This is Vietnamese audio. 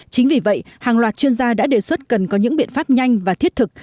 chính vì vậy hàng loạt chuyên gia đã đề xuất cần có những biện pháp nhanh và thiết thực